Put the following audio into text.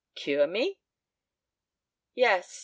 "Cure me?" "Yes.